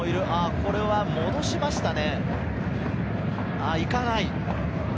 これを戻しましたね。